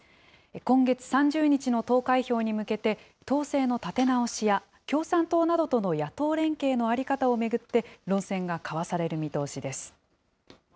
今月３０日の投開票に向けて、党勢の立て直しや、共産党などとの野党連携の在り方を巡って、論戦が交わされる見通しです。